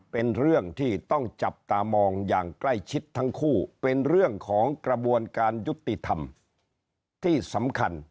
เป็นเรื่องที่ต้องจับตามองอย่างใกล้ชิดทั้งคู่เป็นเรื่องของกระบวนการยุติธรรมที่สำคัญ